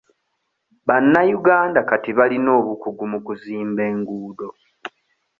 Bannayuganda kati balina obukugu mu kuzimba enguudo.